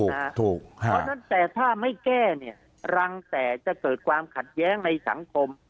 เพราะฉะนั้นแต่ถ้าไม่แก้เนี่ยรังแต่จะเกิดความขัดแย้งในสังคม